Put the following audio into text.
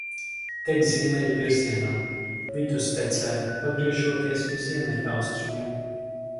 Tek ziemeļu virzienā, vidustecē pagriežoties uz ziemeļaustrumiem.